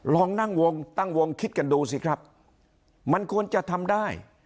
ลองนั่งวงตั้งวงคิดกันดูสิครับมันควรจะทำได้